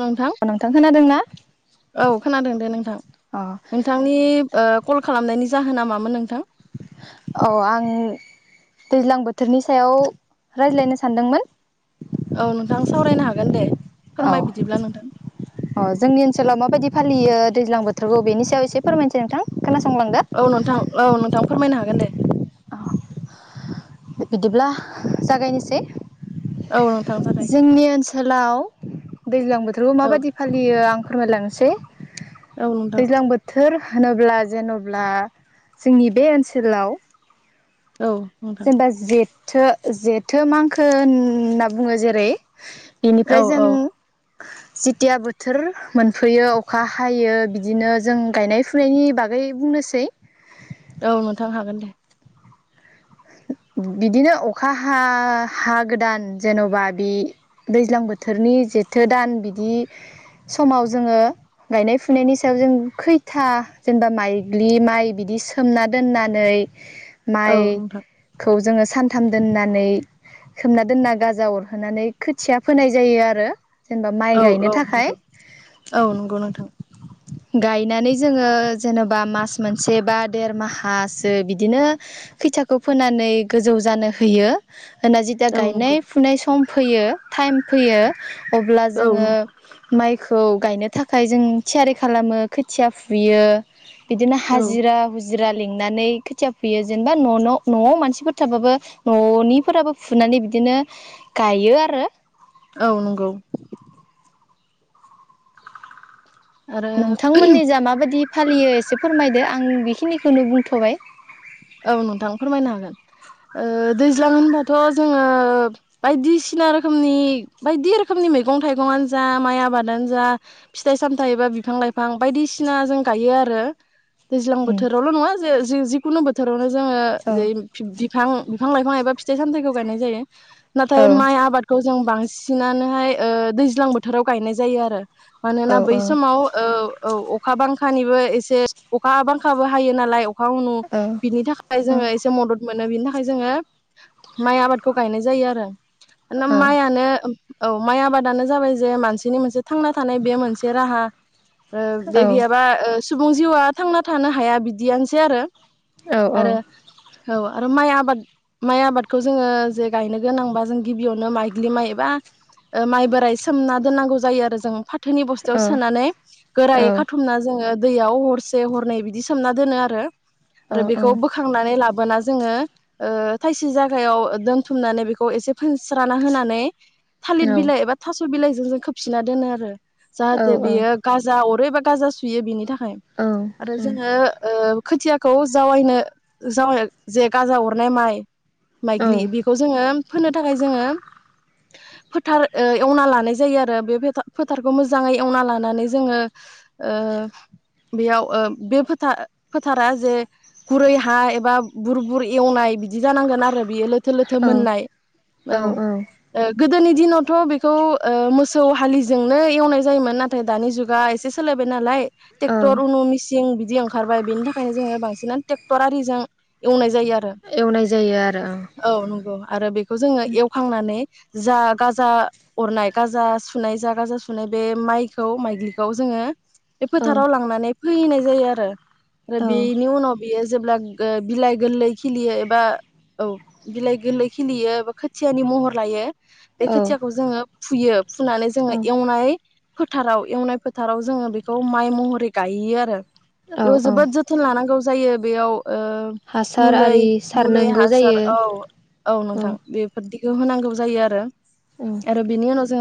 नोंथां खोनादों ना औ खोनादों दे नोंथां अ नोंथांनि कल खालामनायनि जाहोना‌ मामोन नोंथां? औ आं दैज्लां बोथोरनि सायाव रायज्लायनो सानदोंमोन। औ नोंथां सावरायनो हागोन दे। औ फोरमाय बिदिब्ला नोंथां [inaudible] औ जोंनि ओनसोलाव माबायदि फालियो? दैज्लां बोथोरखौ बेनि सायाव एसे फोरायसैोंथ खोनास औ नोंथां औ नोंथां फोरमायनो हा गोन दे बिदिब्ला जागायनोसै औ नोंथां जागाय जोंनि ओनसोलाव दैज्लां बोथोरखौ औ माबायदि फालियो आं फोरमायलांनोसै औ [inaudible] नोंथां दैज्लां बोथोर होनोब्ला जेन'ब्ला जोंनि बे ओनसोलाव औ नोंथां थो जेथो मांखो होनना बुङो जेरै औ बेनिफ्राय जों औ जेतिया बोथोर मोनफैयो अखा हायो बिदिनो जों गायनाय फुनायनि बागै बुंनोसै औ नोंथांनो हागोन दे। बिदिनो अखा हा हागोदान जेन'बा बे दैज्लां बोथोरनि जेथो दान बिदि समाव जोङो गायनाय फुनायनि सायाव जों खैथा जेनेबा माइज्लि माइ बिदि सोमना दोननानै औ नोंथां खौ जोङो सानथाम दोननानै खोमना दोनना गाजा अरहोनानै खोथिया फोनाय जायो आरो। जेनेबा माइ औ गायनो औ थाखाय नंगौ, औ नंगौ नोंथां गायनानै जोङो जेन'बा मास मोनसे बा देर माहासो बिदिनो खैथ खौ फोनानै गोजौ जानो होयो। होना जथिया औ गायनाय नंगौ फुनाय सम फैयो टाइम फैयो। अब्ला औ जोङो नोंथां माइ खौ गायनो थाखाय जों थियारि खालामो खोथिया फुयो। बिदिनो औ हाजिरा हु जिरा लिंनानै खोथिया फैयो जेनेबा न' न' न'आव मानसिफोर थाबाबो न'निफोराबो फुनानै बिदिनो गायो आरो। औ नंगौ। आरो नोंथांमोननि जा माबायदि फालियो एसे फोरमायदो आं बेखिनिखौनो बुंथ'बाय? औ नोंथां फोरमायनो हागोन ओ दैज्लां होनबाथ' जोङो बायदिसिना रोखोमनि बायदि रोखोमनि मैगं थाइगङानो जा माइ आबादानो जा फिथाइ सामथायाइ एबा बिफां लाइफां बायदिसिना जों गायो आरो। दैज्लां उम बोथोरावल' नङा जो- जि- जिखुनु बोथ थोरावनो एवनाय जायो आरो जोङो [unintelligible] बिफां बिफां लाइफां एबा फिथाइ सामथाइखौ गायनाय जायो। नाथाय माइ आबादखौ जों बांसिनानोहाय दैज्लां बोथोराव गायनाय जायो आरो। मानोना बै समाव ओ औ अखा बांखानिबो एसे अखा बांखाबो हायो नालाय खावनो नि थाखाय जोङो एसे मदद मोनो बिनि थाखाय जोङो माइ आबादखौ गायनाय जायो आरो। न मायानो औ माइ आबादानो जाबाय जे मानसिनि मोनसे थांना थानाय बे मोनसे राहा ओ बे गैयाबा ओ सुबुं जिउआ थांना थानो हाया बिदियानोसै आरो। औ आरो औ औ आरो माइ आबाद माइ आबादखौ जोङो जे गायनो गोनांबा जों गिबियावनो माइग्लि माइ एबा माइ बोराइ सोमना दोननांगौ जायो आरो जों फाथ थोनि बस्थुाव सोनानै गोरायै खाथुमना जोङो दैयाव हरसे हरनै बिदि सोमना दोनो आरो। औ औ थांनानै लाबोना जोङो ओ थायसे जागायाव दोनथुमनानै बेखौ एसे फोनस्राना होनानै थालिर बिलइ एबा थास' स' बिलाइजों जों खोबफिना दोनो आरो। जाहाथे बेयो गाजा अर बा गाजा सुयो बेनि थाखाय आरो जोङो ओ खोथियाखौ जावायनो जाव जे गाजा अरनाय माइ माइग्लि बेखौ जोङो फोननो थाखाय जोङो फोथार ओ एवना लानाय जायो आरो बे फोथारखौ मोजाङै एवना लानानै जोङो ओ बेयाव बे फोथार फोथारा जे गुरै हा एबा बुर बुर एवनाय बिदि जानांगोन आरो बियो लोथ लथो लोथो मोननाय औ ओक गोदोनि दिनावथ' बेखौ मोसौ हालिजोंनो एवनाय जायोमोन नाथाय दानि जुगा एसे सोलायबाय नालाय ट्रेक्टर उनु मेसिन बिदि ओंखारबाय बेनि थाखायनो जोङो बांसिन ट्रेक्टरआरिजों एवनाय आरो एवनाय जायो आरो। आरोबिक बेखौ जोङो एवखांनानै जा गाजा अरनाय गाजा सुनाय जा गाजा सुनाय बे माइखौ माइग्लिखौ जोङो बे ओं फोथाराव लांनानै फैनाय जायो आरो आरो बे औ न न बियो जेब्ला बिलाइ गोरलै खिलियो एबा औ बिलाइ गोरलै खिलियोा खोथियानि महर लायो बे औ खोथियाखौ जोङो फुयो फुनानै जोङो औ एवनाय फोथाराव एवनाय फोथाराव जोङो बेखौ माइ महरै गायोयो आरो औ बे औ जोबोद जथोन लाना गाव जायो बेयाव हासार मल आरि मलै सारनांगौ हासार जायो औ औ नोंथां बेफोरदि बेखौ होनांगौ जायो आरो औ आरोार बनियान असां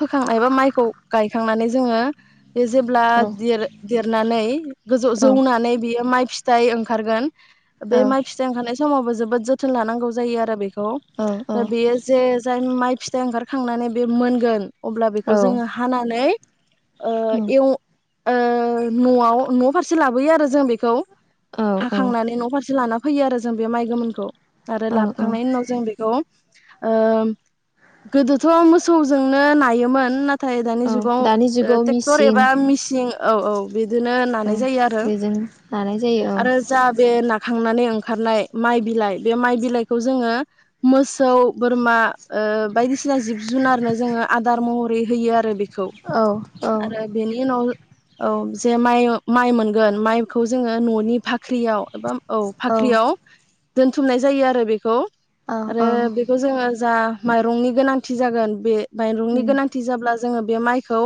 फोखांनाय एबा माइखौ गायखांनानै जोङो बे जेब्ला औ द देरनानै [inaudible] ज औ जौनानै बियो माइ फिथाइ ओंखारगोन बे माइ औ फिथाइ ओंखारनाय समावबो जोबोद जोथोन लानांगौ जायो आरो बेखौ औ दा बेयो जे जाय माइ फिथाइ ओंखारखांनानै बे मोनगोन अब्ला बेखौ जोङो हानानै आ ए न'आव न' फारसे लाबोयो आरो जों बे औ औ हाखांनानै न' फारसे लाना फैयो आरो जों बे माइ गोमोनखौ आरो औ औ लाबोखांनायनि उनाव जों बेखौ गोदोथ' मोसौजोंनो नायोमोन न नाथाय दानि जुगाव दानि जुगाव ट्रेक्टर मिसिं एबा मिेसिन औ औ बिदिनो नानाय जायो आरो। बेजों लानाय जायो औ आरो जा बे खांनानै ओंखारनाय माइ बिलाइ बे माइ बिलाइखौ जोङो मोसौ बोरमा बायदिसिना जिब जुनारनो जोङो आदार महरै होयो आरो बे खौ औ औ आरो बेनि उनाव औ जे माइ माइ मोनगोन माइ खौ जोङो न'नि फाख्रियाव एबा औ औ फाख्रियाव। दोनथुमनाय जायो आरो बेखौ। औ औ आरो बेखौ जोङो जा माइरंनि गोनांथि जागोन बे मायरंनि उम गोनांथि जाब्ला जोङो बे माइखौ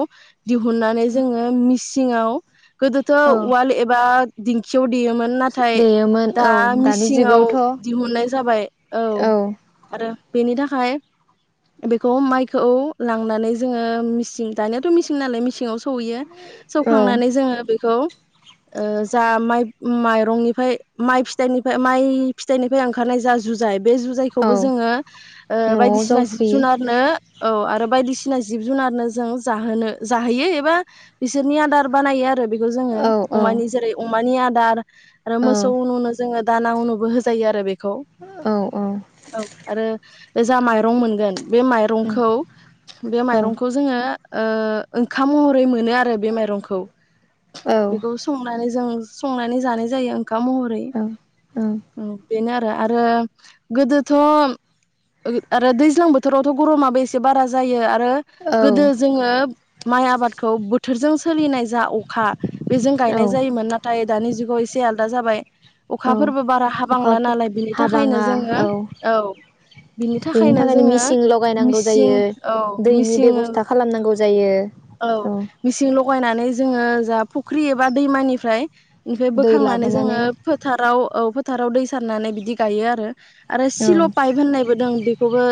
दिहुननानै जोङो मिसि सिङाव गोदोथ' औ उवाल एब ओ दिंखि देयोमोन नाथाय देयोमोन दा औ दानि मिसिङाव जुगावथ' दिहुननाय जाबाय औ आरो बेनि थाखाय बेखौ माइखौ लांनानै जोङो मिसिं दानियाथ' मिसिं नालाय मिसिङाव सौहैयो। औ सौखांनानै जोङो बेखौ जा माइ माइरंनिफ्राय माइ फिथाइनिफ्राय माइ फिथाइनिफ्राय ओंखारनाय जा जुजाय बे जुजायखौबो औ जोङो ओ न'आव बायदिसिना जिब जावफैयो जुनारनो औ आरो बायदिसिना जिब जुनारनो जों जोनो जाहोयो एबा बिसोरनि आदार बानायो आरो। बेखौ जोङो औ अमानि जेरै अ मानि आदार आरो मोसौ औ नुनो जोङो दाना उनुबो होजायो आरो बेख खौ औ उम औ आरो गोजा माइरं मोनगोन। बे माइरंखौ बे औ माइरंखौ जोङो ओ ओंखाम महरै मोनो आरो बे माइरंखौ। औ बेखौ संनानै जों संनानै जानाय जायो। खा महरै बेनो आरो गोदोथ' आरो दैज्लां बोथोरावथ' गरमाबो एसे बारा जायो आरो औ गोदो जोङो माइ आबादखौ बथ बोथोरजों सोलिनाय जा अखा बेजों औ गायनाय जायोमोन नाथाय दानि जुगाव ज आलदा जाबाय औ अखाफोरबो बारा अखा हाबांला नालाय बिनि थाखायनो जोङो औ बिनि बेनि थाखायनो जोङो मेचिन लगायनांगौ मिसिं जायो औ दैनि मिसिं बेब'स्था खालामनांगौ जायो औ मिसिं लगायनानै जोङो जा फुख्रि एबा दैमानिफ्राय ओमफ्राय दै बोखांनानै लाबोनानै जोङो फोथाराव फोथाराव दै सारनानै बिदि गायो आरो आरो औ सिल' पाइप होननायबो दं बे बो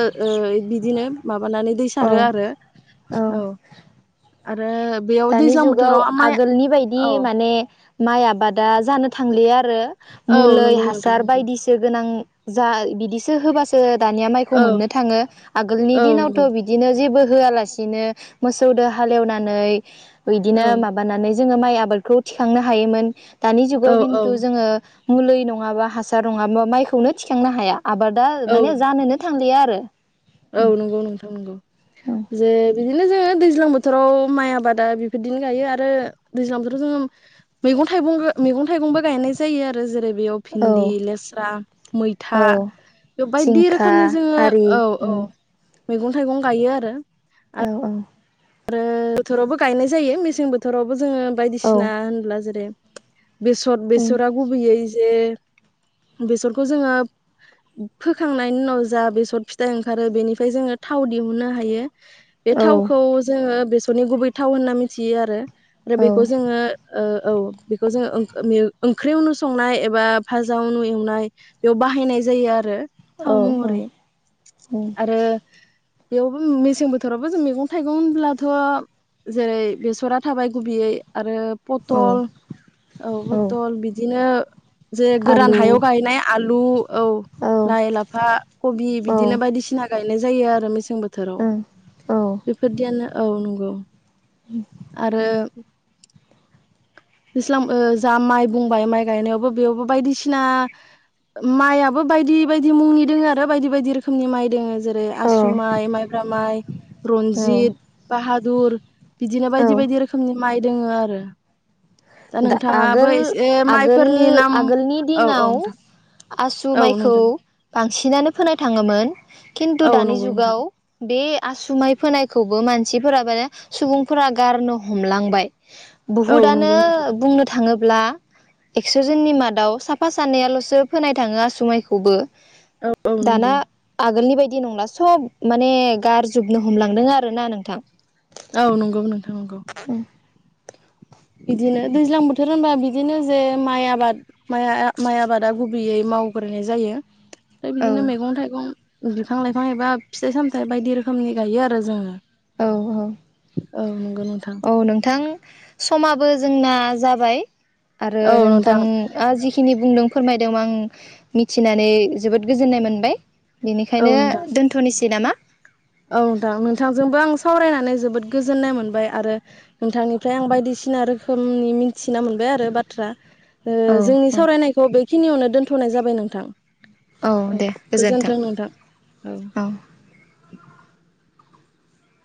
बिदिनो मा माबानानै दै औ सारो आरो औ आरो बेयाव दानि दैज्लां जुगाव बोथोराव माइ आगोलनि बायदि औ माने माइ आबादा जानो थांलिया आरो औ मुलै नंगौ नोंथां हासार नंगौ बायदिसो गोनां जा बिदि होबासो दानिया माइखौ औ मोननो थाङो आगोलनि औ नंगौ दिनावथ' बिदिनो जेबो होआलासिनो मोसौजों हालेवनानै बिदिनो औ माबानानै जोङो माइ आबादखौ थिखांनो हायोमोन दानि जुगाव औ औ खिन्थु जोङो मुलि नङाबा हासार नङाबा माइखौनो थिखांनो हाया आबादा औ माने जानोनो थांलिया द औ नंगौ नोंथां नंगौ जे बिदि बिदिनो जोङो दैज्लां बोथोराव माइ आबादा बेफोरदिनो गायो आरो दैज्लां बोथोराव जोङो मैगं थाइगं मैगं थाइगंबो गायनाय जायो आरो जेरै बेयाव औ भिन्दि लेस्रा मैथा औ बेयाव बायदि जिंखा रोखोमनि जोङो आरि औ उम अ मैगं थाइगं गायो आरो औ औ आरो बोथोरावबो गायनाय जायो मेसें बोथोरावबो जोङो औ बायदिसिना होनब्ला जेरै बेसर ओं बेसरा गुबैयै जे बेसरखौ जोङो फोखांनायनि उनाव जा बेसर फिथाइ ओंखारो बेनिफ्राय जोङो थाव दिहुननो हायो। बे औ थावखौ जोङो बेसरनि गुबै थाव होनना मिथियो आरो। आरो औ बेखौ जोङो औ बेखौ जोङो [unintelligible] ओंख्रियावनो संनाय एबा फाजाायावनो एवनाय बेयाव बाहायनाय जायो आरो। औ थाव महरै ओं आरो। बेयावबो मेसें बोथोवबो जों मैगं थाइगं [unintelligible] होनब्लाथ' जेरै बेसरा थाबाय गुबैयै आरो औ पटल औ पटल बिदिनो जे गोरान आलु हायाव गायनाय आलु औ लाइ, लाफा कबि औ बिदिनो बायदिसिना गायनाय जायो आरो [unintelligible] ओं औ [unintelligible] औ नंगौ। आरो [unintelligible] जा माइ बुंबाय माइ गायनायावबो बेयावबो बायदिसिना माइयाबो बायदि बायदि मुंनि दङ आरो बायदि बायदि रोखोमनि माइ दङ। जेरै आसु माइ, माइब्रा माइ, औ रनजित, बाहादुर बिदिनो औ बायदि बायदि रोखोमनि माइ दोङो आरो दा नोंथाङाबो आगोल- एसे आगोल माइफोरनि नाम -आगोलनि औ औ दिनाव नोंथां आसु औ माइखौ नोंथां बांसिन [unintelligible] फोनाय थाङोमोन। खिन्थु औ दानि नंगौ नोंथां जुगाव बे आसुमाय फोनायखौबो मानसिफोरा माने सुबुंफोरा गारनो हमलांबाय। औ बुहुदानो नंगौ नोंथां। बुंनो थाङोब्ला एक्स'जननि मादाव साफा सानैयाल'सो फोनाय थाङो आसुमाइखौबो। औ औ दाना नंगौ आगोलनि बायदि बिदि नंला सब माने गारजोबनो हमलांदों आरो ना नोंथां। औ नंगौ नोंथां नंगौ। बिदिनो दैज्लां बोथोर होनबा बिदिनो जे माइ आबाद माइ आबादा गुबैयै मावग्रोनाय जायो। ओमफ्राय औ बिदिनो मैगं -थाइगं। बिफां -लाइफां एबा फिथाइ -सामथाइ बायदि रोखोमनि गायो आरो जोङो। औ औ औ नंगौ नोंथां औ नोंथां समाबो जोंना जाबाय आरो औ नोंथां नोंथांआ जिखिनि बुंदों फोरमायदों आं मिथिनानै जोबोद गोजोननाय मोनबाय औ बेनिखायनो नोंथां दोनथ'निसै नामा औ नोंथां नोंथांजोंबो आं सावरायनानै जोबोद गोजोननाय मोनबाय आरो नोंथांनिफ्राय आं बायदिसिना रोखोमनि मिथिना मोनबाय आरो बाथ्रा ओ औ जोंनि औ सावरायनायखौ बे खिनियावनो दोन्थ'नाय जाबाय नोंथां औ दे गोजोन्थों औ